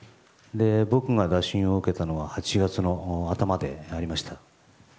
僕が打診を受けたのは８月の頭でありました。